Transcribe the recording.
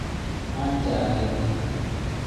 Man-jaari.